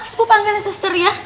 ibu panggilnya suster ya